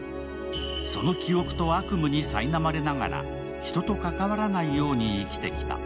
その記憶と悪夢にさいなまれながら、人と関わらないように生きてきた。